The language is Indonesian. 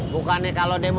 bukannya kalau demo